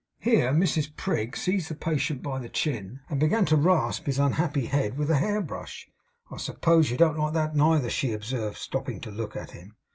Here Mrs Prig seized the patient by the chin, and began to rasp his unhappy head with a hair brush. 'I suppose you don't like that, neither!' she observed, stopping to look at him.